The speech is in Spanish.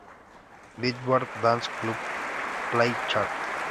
Billboard dance club play chart.